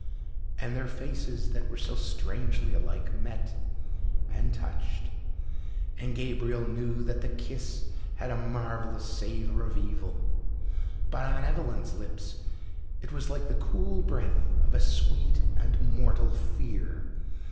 And their faces, that were so strangely alike, met and touched and Gabriel knew that the kiss had a marvellous savour of evil, but on Evelyn's lips it was like the cool breath of a sweet and mortal fear.